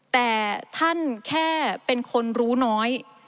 แต่ท่านแค่เป็นคนรู้น้อย